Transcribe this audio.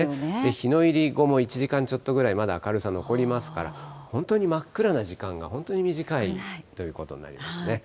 日の入り後も１時間ちょっとぐらい、明るさ残りますから、本当に真っ暗な時間が本当に短いということになりますね。